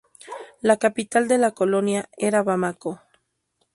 La capital de la colonia era Bamako.